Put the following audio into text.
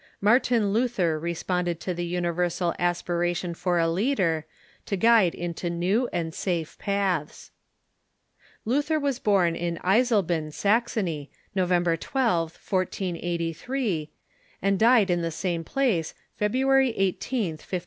Martin Luther respond ed to the universal aspiration for a leader, to guide into new and safe paths. Luther was born in Eisleben, Saxony, November r2th, 14S3, and died in the same place, February ISth, 1546.